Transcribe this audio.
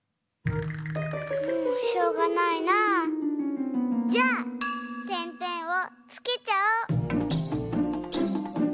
もうしょうがないなぁ。じゃあてんてんをつけちゃおう！